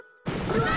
うわ！